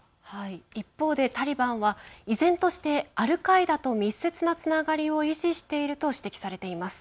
一方で、タリバンは依然としてアルカイダと密接なつながりを維持していると指摘されています。